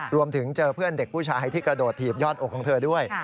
รวมถึงเจอเพื่อนเด็กผู้ชายที่กระโดดถีบยอดอกของเธอด้วย